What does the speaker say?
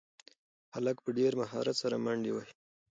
هلک په ډېر مهارت سره منډې وهي.